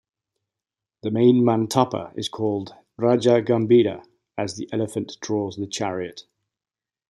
The main mantapa is called Raja Gambira as the elephant draws the chariot.